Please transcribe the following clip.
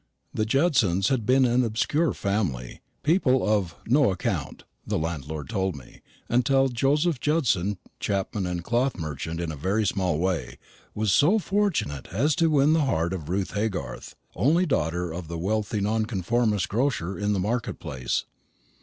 The Judsons had been an obscure family people of "no account," my landlord told me, until Joseph Judson, chapman and cloth merchant in a very small way, was so fortunate as to win the heart of Ruth Haygarth, only daughter of the wealthy Nonconformist grocer in the market place.